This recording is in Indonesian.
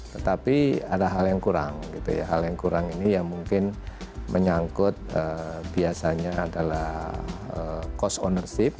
tetapi ada hal yang kurang gitu ya hal yang kurang ini yang mungkin menyangkut biasanya adalah cost ownership